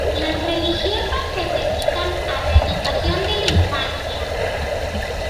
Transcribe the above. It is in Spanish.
Las religiosas se dedican a la educación de la infancia.